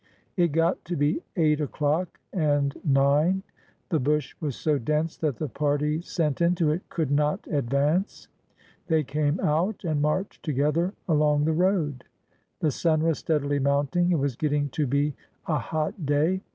It got to be eight o'clock, and nine. The bush was so dense that the parties sent into it could not advance. They came out and marched together along the road. The sun was steadily mounting; it was getting to be a hot day.